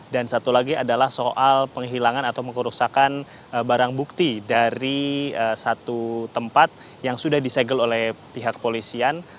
dan satu lagi adalah soal penghilangan atau mengurusakan barang bukti dari satu tempat yang sudah disegel oleh pihak kepolisian